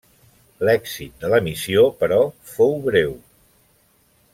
L'èxit de la missió, però fou breu.